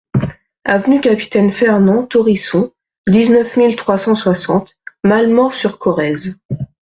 Avenue Capitaine Fernand Taurisson, dix-neuf mille trois cent soixante Malemort-sur-Corrèze